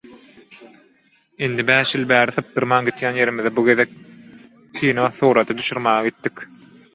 Indi bäş ýyl bäri sypdyrman gidýän ýerimize bu gezek kino surata düşürmäge gitdik.